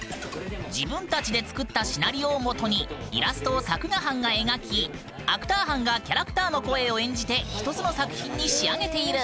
自分たちで作ったシナリオを基にイラストを作画班が描きアクター班がキャラクターの声を演じて一つの作品に仕上げている。